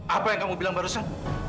apa yang kamu bilang barusan